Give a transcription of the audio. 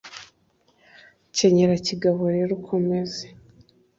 kenyera kigabo rero ukomeze